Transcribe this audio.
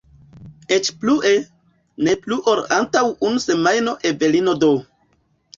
Eĉ plue, ne pli ol antaŭ unu semajno Evelino D.